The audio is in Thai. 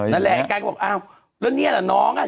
นั่นแหละกัลบอกอ้าวแล้วเนี่ยเหรอน้องอ่ะ